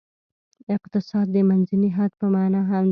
اقتصاد د منځني حد په معنا هم دی.